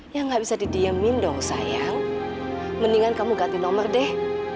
ya gak bisa didiemin dong sayang mendingan kamu ganti nomor deh